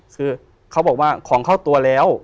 คือเขาบอกว่าของเข้าตัวแล้ว